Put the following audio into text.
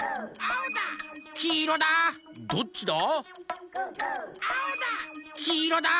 「どっちだ？」